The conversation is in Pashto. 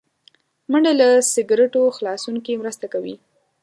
منډه له سګرټو خلاصون کې مرسته کوي